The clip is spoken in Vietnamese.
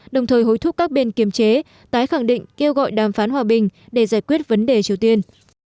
đồng thời hối thúc các bên kiềm chế tái khẳng định kêu gọi đàm phán hòa bình để giải quyết vấn đề triều tiên